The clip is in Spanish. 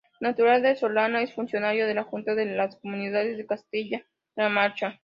Natural de La Solana, es funcionario de la Junta de Comunidades de Castilla-La Mancha.